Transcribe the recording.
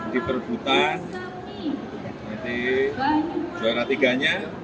di perbutan nanti juara tiganya